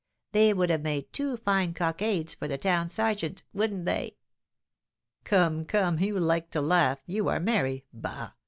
They would have made two fine cockades for the town sergeant, wouldn't they?" "Come, come, you like to laugh you are merry: bah!